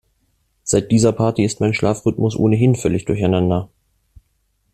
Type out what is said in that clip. Seit dieser Party ist mein Schlafrhythmus ohnehin völlig durcheinander.